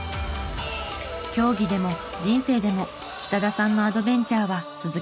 競技でも人生でも北田さんのアドベンチャーは続きます。